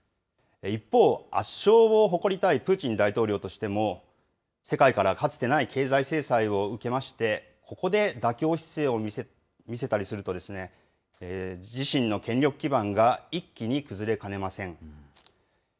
一方、圧勝を誇りたいプーチン大統領としても、世界からかつてない経済制裁を受けまして、ここで妥協姿勢を見せたりすると、自身の権力基盤が一気に崩れかねません。